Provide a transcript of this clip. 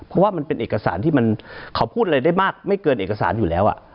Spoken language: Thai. เพราะว่ามันเป็นเอกสารที่มันเขาพูดอะไรได้มากไม่เกินเอกสารอยู่แล้ว